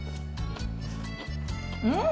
うん！